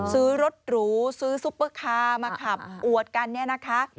ซื้อรถหรูซื้อซุปเปอร์คาร์มาขับอวดกันเนี่ยนะคะ